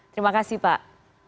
terima kasih pak